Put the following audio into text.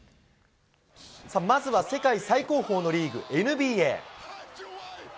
まずは世界最高峰のリーグ、ＮＢＡ。